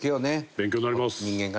勉強になります。